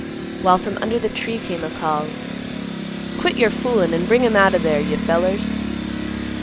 while from under the tree came a call, "Quit your foolin' an' bring him out o' there, you fellers."